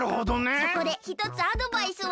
そこでひとつアドバイスを。